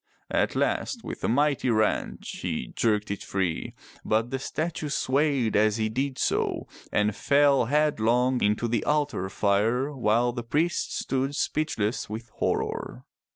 At last with a mighty wrench he jerked it free, but the statue swayed as he did so and fell headlong into the altar fire while the priests stood speechless with horror.